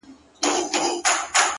چي هغه تللې ده نو ته ولي خپه يې روحه ـ